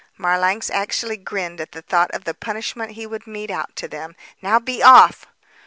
Marlanx actually grinned at the thought of the punishment he would mete out to them. "Now be off!"